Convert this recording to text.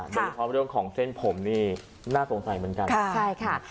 มีความรู้ของเส้นผมนี่น่าสงสัยเหมือนกัน